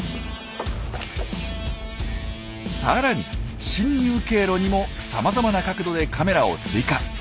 さらに侵入経路にもさまざまな角度でカメラを追加。